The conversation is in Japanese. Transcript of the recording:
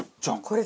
これ。